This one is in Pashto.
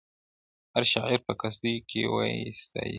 هرشاعر په قصیدو کي وي ستایلی -